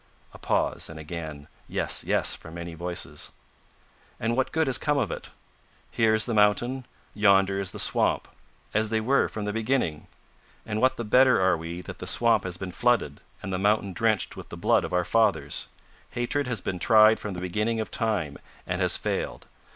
(A pause, and again, "Yes, yes," from many voices.) "And what good has come of it? Here is the Mountain; yonder is the Swamp, as they were from the beginning; and what the better are we that the swamp has been flooded and the mountain drenched with the blood of our fathers? Hatred has been tried from the beginning of time, and has failed.